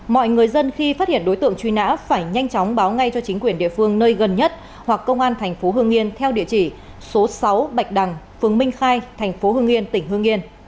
mọi người dân khi phát hiện đối tượng truy nã phải nhanh chóng báo ngay cho chính quyền địa phương nơi gần nhất hoặc công an thành phố hương yên theo địa chỉ số sáu bạch đằng phường minh khai thành phố hương yên tỉnh hương yên